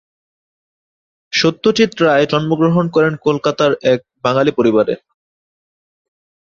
সত্যজিৎ রায় জন্মগ্রহণ করেন কলকাতার এক বাঙালি পরিবারে।